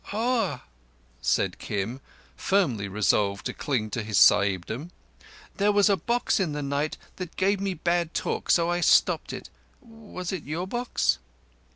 "Oah!" said Kim, firmly resolved to cling to his Sahib dom. "There was a box in the night that gave me bad talk. So I stopped it. Was it your box?"